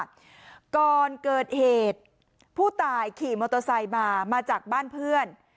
ก่อนเกิดเหตุผู้ตายขี่มอเตอร์ไซค์มามาจากบ้านเพื่อน